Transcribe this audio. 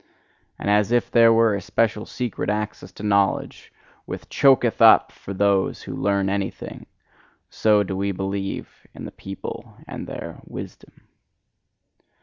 And as if there were a special secret access to knowledge, which CHOKETH UP for those who learn anything, so do we believe in the people and in their "wisdom."